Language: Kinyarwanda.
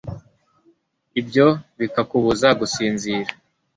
ibyo bikakubuza gusinzira